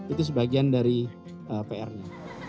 itu sebagian dari pr nya